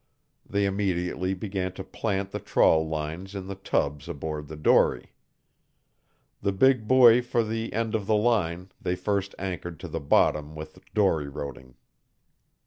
They immediately began to plant the trawl lines in the tubs aboard the dory. The big buoy for the end of the line they first anchored to the bottom with dory roding.